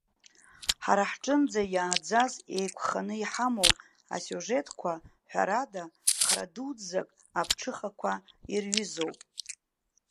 Ҳара ҳҿынӡа иааӡаз, еиқәханы иҳамоу асиужетқәа, ҳәарада, хра дуӡзак аԥҽыхақәа ирҩызоуп.